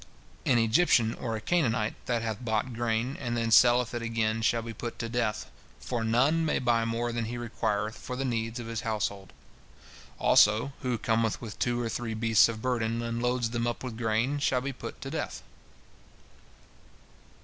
An Egyptian or a Canaanite that hath bought grain and then selleth it again shall be put to death, for none may buy more than he requireth for the needs of his household. Also, who cometh with two or three beasts of burden, and loads them up with grain, shall be put to death."